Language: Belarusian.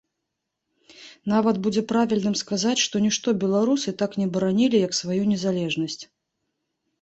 Нават будзе правільным сказаць, што нішто беларусы так не баранілі, як сваю незалежнасць.